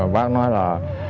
bác nói là